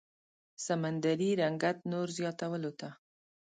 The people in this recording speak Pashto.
سمندري رنګت نور زياتولو ته